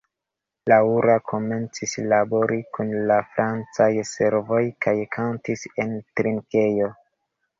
Laura komencis labori kun la francaj servoj kaj kantis en drinkejo.